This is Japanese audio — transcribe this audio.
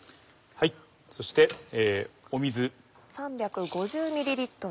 そして水。